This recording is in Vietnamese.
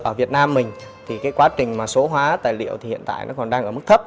ở việt nam mình quá trình số hóa tài liệu hiện tại còn đang ở mức thấp